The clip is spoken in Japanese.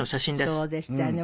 そうでしたよね。